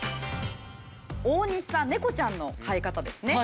大西さん猫ちゃんの飼い方ですね。